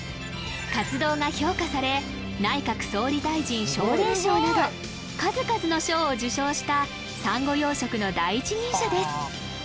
活動が評価され内閣総理大臣奨励賞など数々の賞を受賞したサンゴ養殖の第一人者です